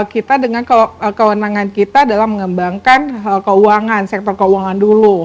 kita dengan kewenangan kita adalah mengembangkan keuangan sektor keuangan dulu